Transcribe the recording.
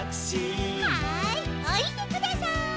はいおりてください。